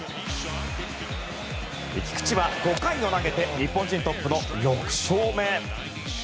菊池は５回を投げて日本人トップの６勝目！